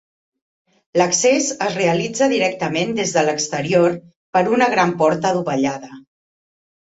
L'accés es realitza directament des de l'exterior per una gran porta dovellada.